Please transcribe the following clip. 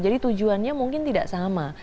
jadi tujuannya mungkin tidak sama